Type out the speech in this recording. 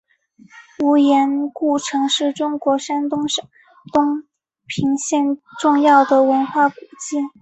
无盐故城是中国山东省东平县重要的文化古迹。